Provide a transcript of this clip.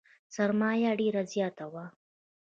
سرمایه یې ډېره زیاته وه .